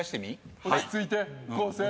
落ち着いて滉星。